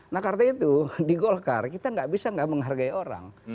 nah karena itu di golkar kita nggak bisa nggak menghargai orang